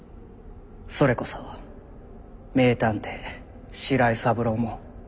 それこそ名探偵白井三郎も。